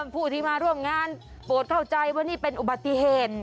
ผู้ที่มาร่วมงานโปรดเข้าใจว่านี่เป็นอุบัติเหตุ